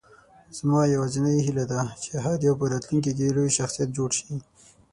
زما یوازینۍ هیله ده، چې هر یو په راتلونکې کې لوی شخصیت جوړ شي.